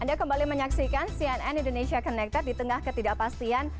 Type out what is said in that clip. anda kembali menyaksikan cnn indonesia connected di tengah ketidakpastian